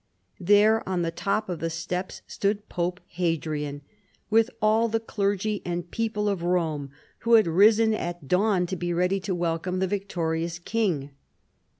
There on the top of the steps stood Pope Hadrian, with all the clergy and people of Rome wlio had arisen at dawn to be ready to wel come the victorious king.